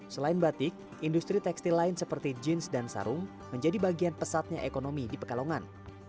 selain batik industri tekstil lain seperti jeans dan sarung menjadi bagian pesatnya ekonomi di pekalongan